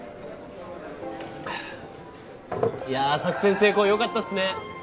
いや作戦成功よかったっすね！